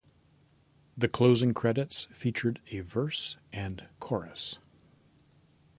The closing credits featured a verse and chorus.